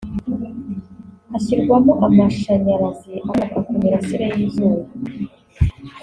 hashyirwamo amashanyarazi akomoka ku mirasire y’izuba